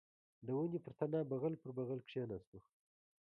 د ونې پر تنه بغل پر بغل کښېناستو.